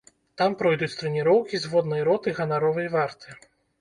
Там пройдуць трэніроўкі зводнай роты ганаровай варты.